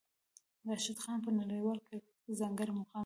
راشد خان په نړیوال کرکټ کې ځانګړی مقام لري.